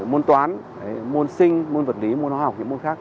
môn toán môn sinh môn vật lý môn hóa học những môn khác